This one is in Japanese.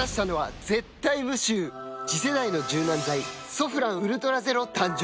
次世代の柔軟剤「ソフランウルトラゼロ」誕生